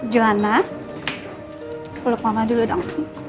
joanna peluk mama dulu dong